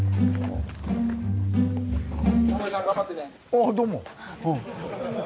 あっどうも。